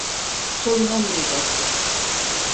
Sorun olmayacaktır.